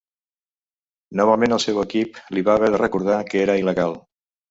Novament el seu equip li va haver de recordar que era il·legal.